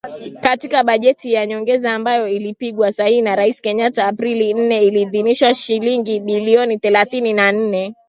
Katika bajeti ya nyongeza ambayo ilipigwa sahihi na Rais Kenyatta Aprili nne, aliidhinisha shilingi bilioni thelathini na nne.